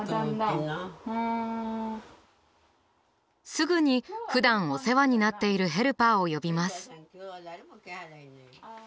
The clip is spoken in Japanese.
すぐにふだんお世話になっているヘルパーを呼びます。